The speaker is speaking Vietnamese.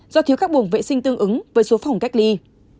do thiếu các buồng vệ sinh tương ứng với số phòng cách ly